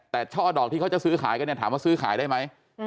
แต่ช่อดอกที่เขาจะซื้อขายกันเนี่ยถามว่าซื้อขายได้ไหม